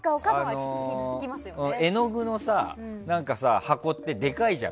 絵の具の箱ってでかいじゃん。